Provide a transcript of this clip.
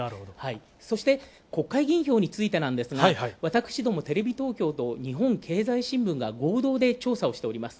そして、国会議員票についてなんですが、私どもテレビ東京と日本経済新聞が合同で調査をしております。